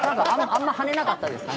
あんま跳ねなかったですか。